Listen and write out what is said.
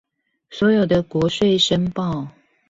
所有的國稅申報